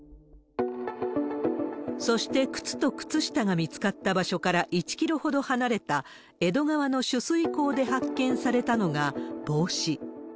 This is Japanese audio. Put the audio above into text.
そして、靴と靴下が見つかった場所から１キロほど離れた、江戸川の取水口で発見されたのが帽子。